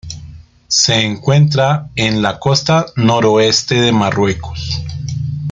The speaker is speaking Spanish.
Se encuentra en la costa noroeste de Marruecos.